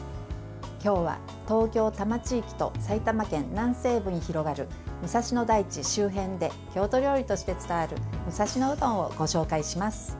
今日は東京・多摩地域と埼玉県南西部に広がる武蔵野台地周辺で郷土料理として伝わる武蔵野うどんをご紹介します。